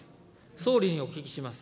総理にお聞きします。